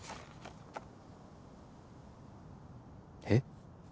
えっ？